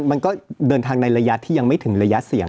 มันก็เดินทางในระยะที่ยังไม่ถึงระยะเสี่ยง